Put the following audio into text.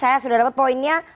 saya sudah dapat poinnya